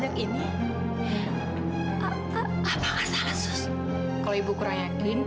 kalau ibu kurang yakin